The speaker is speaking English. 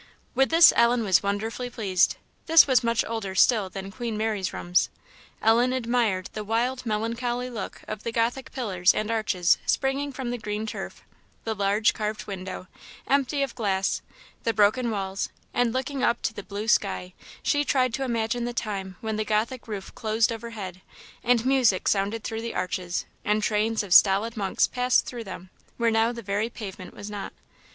With this Ellen was wonderfully pleased. This was much older still than Queen Mary's rooms. Ellen admired the wild melancholy look of the Gothic pillars and arches springing from the green turf, the large carved window, empty of glass, the broken walls; and, looking up to the blue sky, she tried to imagine the time when the Gothic roof closed overhead, and music sounded through the arches, and trains of stolid monks paced through them, where now the very pavement was not.